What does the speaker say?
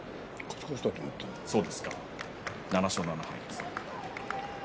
７勝７敗です。